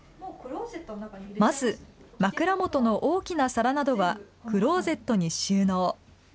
まず、枕元の大きな皿などは、クローゼットに収納。